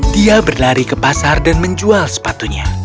dia berlari ke pasar dan menjual sepatunya